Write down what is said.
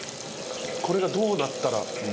これがどうなったら。